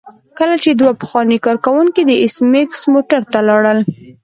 کله چې دوه پخواني کارکوونکي د ایس میکس موټر ته لاړل